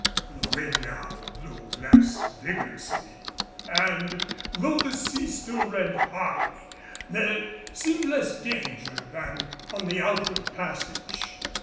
The wind now blew less vigorously and, though the sea still ran high, there seemed less danger than on the outward passage.